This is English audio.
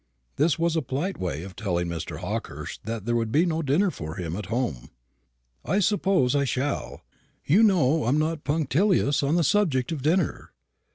This was a polite way of telling Mr. Hawkehurst that there would be no dinner for him at home. "I suppose I shall. You know I'm not punctilious on the subject of dinner.